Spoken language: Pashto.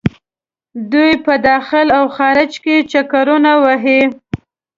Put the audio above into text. دوۍ په داخل او خارج کې چکرونه وهي.